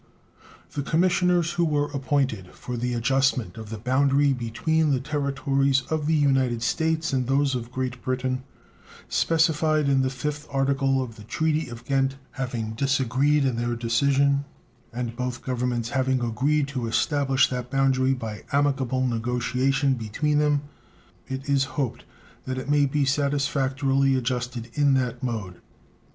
The commissioners who were appointed for the adjustment of the boundary between the territories of the United States and those of Great Britain, specified in the 5th article of the treaty of Ghent, having disagreed in their decision, and both Governments having agreed to establish that boundary by amicable negotiation between them, it is hoped that it may be satisfactorily adjusted in that mode.